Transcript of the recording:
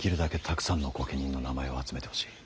たくさんの御家人の名前を集めてほしい。